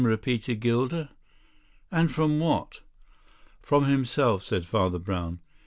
repeated Gilder. "And from what?" "From himself," said Father Brown.